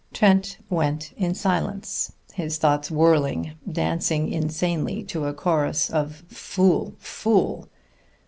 Trent went in silence, his thoughts whirling, dancing insanely to a chorus of "Fool! fool!"